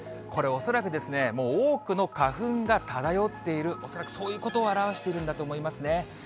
これ、恐らく、もう多くの花粉が漂っている、恐らくそういうことを表しているんだと思いますね。